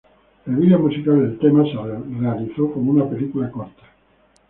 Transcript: El vídeo musical del tema se realizó como una película corta.